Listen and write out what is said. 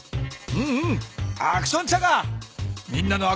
うんうん！